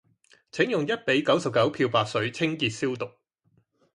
請用一比九十九漂白水清潔消毒